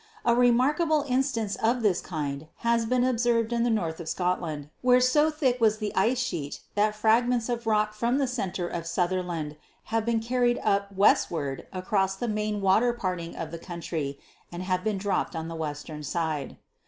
A remarkable instance of this kind has been observed in the north of Scotland, where so thick was the ice sheet that fragments of rock from the center of Suther land have been carried up westward across the main water parting of the country and have been dropped on the western side.